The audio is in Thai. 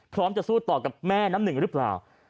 จะสู้ต่อกับแม่น้ำหนึ่งหรือเปล่า